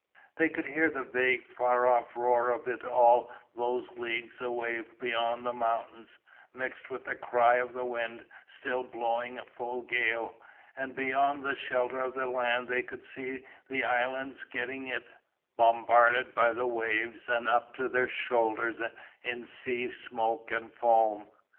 They could hear the vague far off roar of it all those leagues away beyond the mountains, mixed with the cry of the wind still blowing a full gale, and beyond the shelter of the land they could see the islands getting it, bombarded by the waves and up to their shoulders in sea smoke and foam.